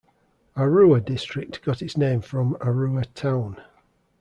Arua District got its name from Arua town.